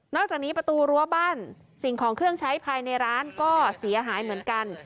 จากนี้ประตูรั้วบ้านสิ่งของเครื่องใช้ภายในร้านก็เสียหายเหมือนกัน